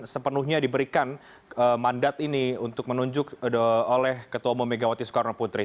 sepenuhnya diberikan mandat ini untuk menunjuk oleh ketua umum megawati soekarno putri